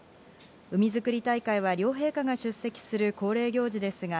海づくり大会は、両陛下が出席する恒例行事ですが、